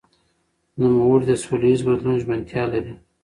نوموړي د سولهییز بدلون ژمنتیا لري.